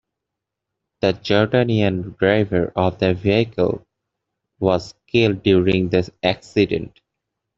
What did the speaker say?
The Jordanian driver of the vehicle was killed during the accident.